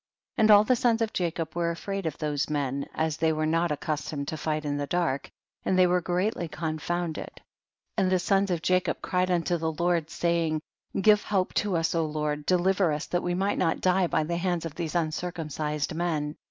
4. And all the sons of Jacob were afraid of those men, as they were not accustomed to fight in llie dark, and they were greatly confounded, and the sons of Jacob cried unto the 122 THE BOOK OF JASHER. Lord, saying, give help lo us Lord, deliver us that we may not die by the hands of these uncircumcised men.